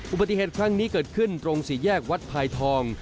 อุบัติเหตุครั้งนี้เกิดขึ้นตรงสี่แยกวัดพายทอง